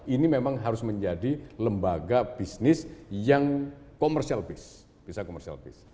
ini memang harus menjadi lembaga bisnis yang commercial base